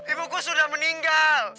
ibuku sudah meninggal